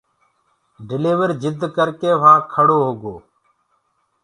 ڊليور جِد ڪرڪي وهآنٚ کڙو هوگو